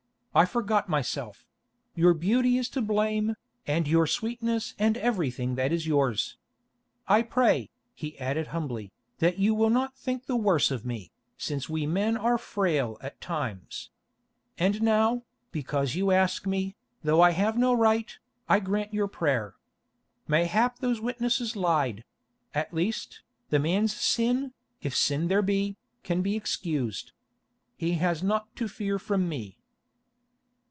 I forgot myself; your beauty is to blame, and your sweetness and everything that is yours. I pray," he added humbly, "that you will not think the worse of me, since we men are frail at times. And now, because you ask me, though I have no right, I grant your prayer. Mayhap those witnesses lied; at least, the man's sin, if sin there be, can be excused. He has naught to fear from me."